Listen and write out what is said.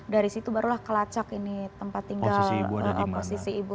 dari situ barulah kelacak ini tempat tinggal oposisi ibu